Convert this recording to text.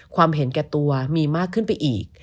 เห็นแก่ตัวมีมากขึ้นไปอีก